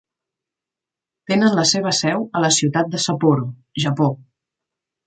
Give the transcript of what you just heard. Tenen la seva seu a la ciutat de Sapporo, Japó.